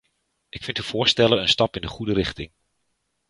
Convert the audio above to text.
Ik vind uw voorstellen een stap in de goede richting.